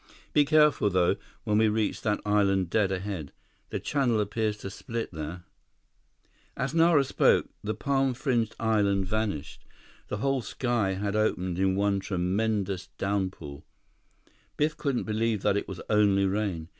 Be careful, though, when we reach that island dead ahead. The channel appears to split there—" [Illustration: The Xanadu thrummed upriver] As Nara spoke, the palm fringed island vanished. The whole sky had opened in one tremendous downpour. Biff couldn't believe that it was only rain.